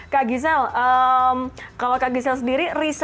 kak gisel kalau kak gisel sendiri risetnya berapa lama